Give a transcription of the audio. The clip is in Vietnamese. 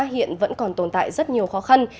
hiện vẫn còn tồn tại rất nhiều khó khăn